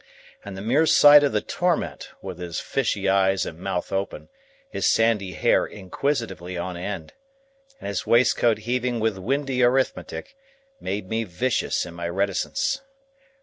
And the mere sight of the torment, with his fishy eyes and mouth open, his sandy hair inquisitively on end, and his waistcoat heaving with windy arithmetic, made me vicious in my reticence.